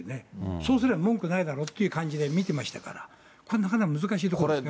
そうすりゃ文句ないだろうという感じで見てましたから、これ、なかなか難しいところだよね。